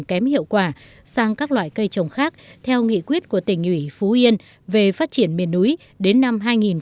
kém hiệu quả sang các loại cây trồng khác theo nghị quyết của tỉnh ủy phú yên về phát triển miền núi đến năm hai nghìn hai mươi